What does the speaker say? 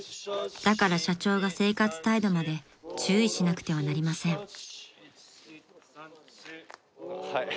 ［だから社長が生活態度まで注意しなくてはなりません］